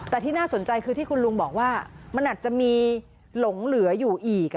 แต่ที่น่าสนใจคือที่คุณลุงบอกว่ามันอาจจะมีหลงเหลืออยู่อีก